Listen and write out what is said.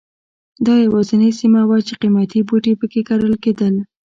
دا یوازینۍ سیمه وه چې قیمتي بوټي په کې کرل کېدل.